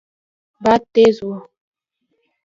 باد تېز و.